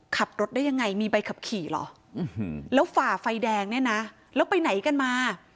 ขับรถได้ยังไงมีใบขับขี่เหรอแล้วฝ่าไฟแดงเนี่ยนะแล้วไปไหนกันมา